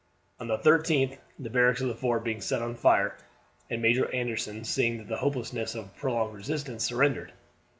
On the 13th, the barracks of the fort being set on fire, and Major Anderson seeing the hopelessness of a prolonged resistance, surrendered.